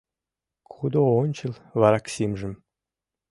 Кудо ончыл вараксимжым